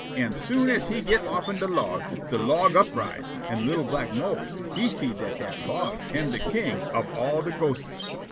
An' soon as he git' offen de log, de log uprise, an' li'l' black Mose he see' dat dat log am de king ob all de ghostes.